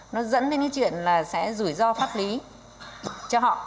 nó dẫn đến chuyện sẽ rủi ro pháp lý cho họ